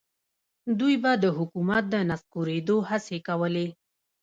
دوی به د حکومت د نسکورېدو هڅې کولې.